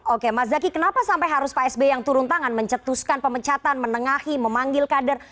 oke mas zaky kenapa sampai harus pak sby yang turun tangan mencetuskan pemecatan menengahi memanggil kader